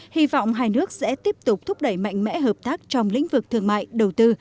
hy vọng hai nước sẽ tiếp tục thúc đẩy mạnh mẽ hợp tác trong lĩnh vực thương mại đầu tư